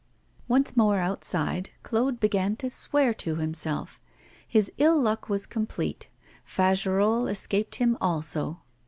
Once more outside, Claude began to swear to himself. His ill luck was complete, Fagerolles escaped him also.